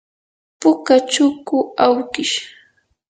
puka chuku awkish.